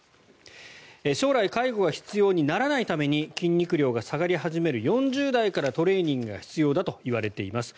将来介護が必要にならないために筋肉量が下がり始める４０代からトレーニングが必要だといわれています。